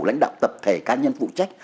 lãnh đạo tập thể cá nhân phụ trách